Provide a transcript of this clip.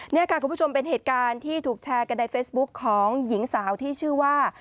นี่ค่ะคุณผู้ชมเป็นเหตุการณ์ที่ถูกแชร์กันในเฟซบุ๊คของหญิงสาวที่ชื่อว่า